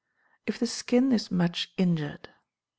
If the Skin is much Injured.